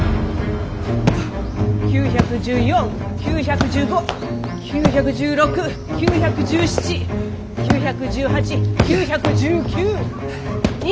９１４９１５９１６９１７９１８９１９２０！